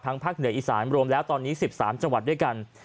ภาคเหนืออีสานรวมแล้วตอนนี้๑๓จังหวัดด้วยกัน